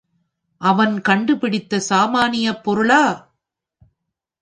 அவன் கண்டுபிடித்தது சாமானியமான பொருளா?